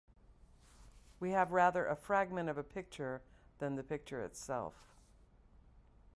We have rather a fragment of a picture than the picture itself.